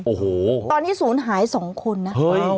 โอ้โหตอนนี้ศูนย์หาย๒คนนะ